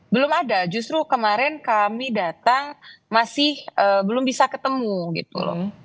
belum ada justru kemarin kami datang masih belum bisa ketemu gitu loh